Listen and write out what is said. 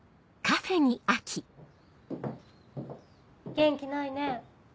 元気ないねぇ。